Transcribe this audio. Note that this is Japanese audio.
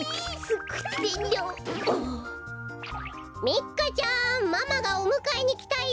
ミカちゃんママがおむかえにきたよ！